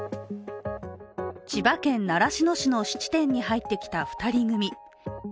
千葉県習志野市の質店に入ってきた２人組。